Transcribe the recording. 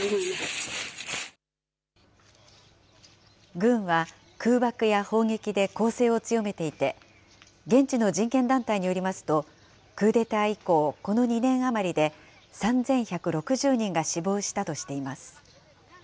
軍は空爆や砲撃で攻勢を強めていて、現地の人権団体によりますと、クーデター以降、この２年余りで、３１６０人が死亡したとしています。